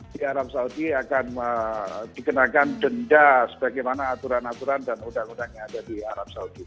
di arab saudi akan dikenakan denda sebagaimana aturan aturan dan undang undang yang ada di arab saudi